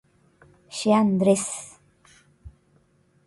Che Andrés.